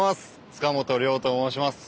塚本凌生と申します。